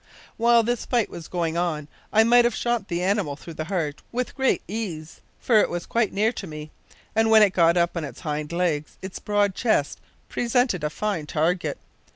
"While this fight was going on I might have shot the animal through the heart with great ease, for it was quite near to me, and when it got up on its hind legs its broad chest presented a fine target.